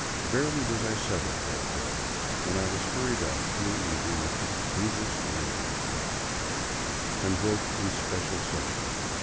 Barely was I settled, therefore, when I was hurried off to an evening at the " English Language Club," convoked in special session.